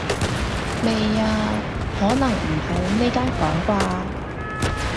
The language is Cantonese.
未啊，可能唔喺呢間房啩